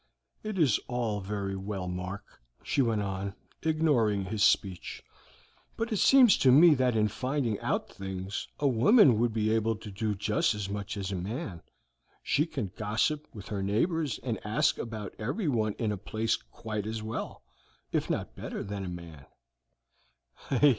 "It is all very well, Mark," she went on, ignoring his speech, "but it seems to me that in finding out things a woman would be able to do just as much as a man; she can gossip with her neighbors and ask about everyone in a place quite as well, if not better, than a man."